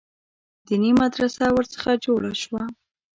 دیني مدرسه ورڅخه جوړه سوه.